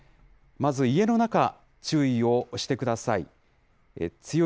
まず、家の中、注意をしてください。